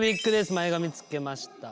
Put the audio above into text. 前髪つけました。